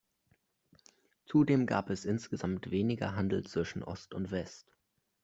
Zudem gab es insgesamt weniger Handel zwischen Ost und West.